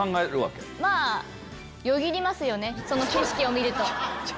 その景色を見ると。